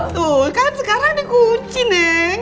tuh kan sekarang dikunci neng